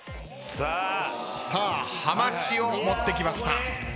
さあはまちを持ってきました。